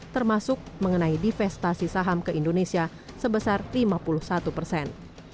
termasuk mengenai divestasi saham ke indonesia sebesar lima puluh satu persen